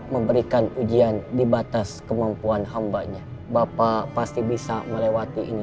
memberikan ujian di batas kemampuan hambanya bapak pasti bisa melewati ini